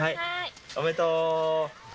おめでとう。